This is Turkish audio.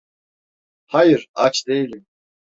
Hayır, aç değilim.